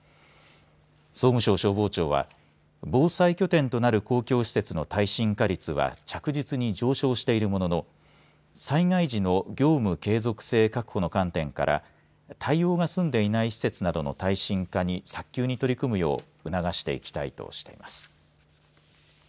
総務省消防庁は防災拠点となる公共施設の耐震化率は着実に上昇しているものの災害時の業務継続性確保の観点から対応が済んでいない施設などの耐震化に早急に取り組むよう促していきたいとしています。